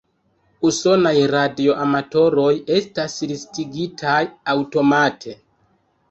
Usonaj radioamatoroj estas listigitaj aŭtomate.